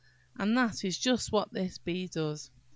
And that is just what this bee does.